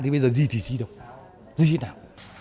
thì bây giờ di thì di đâu